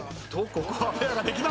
ここはペアができない。